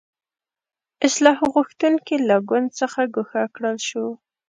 اصلاح غوښتونکي له ګوند څخه ګوښه کړل شو.